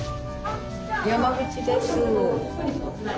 山口です。